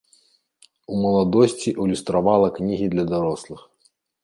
У маладосці ілюстравала кнігі для дарослых.